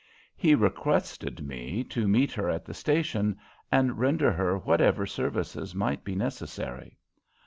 He requested me to meet her at the station and render her whatever services might be necessary.